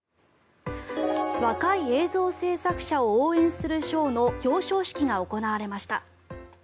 若い映像制作者を応援する賞の表彰式が行われました。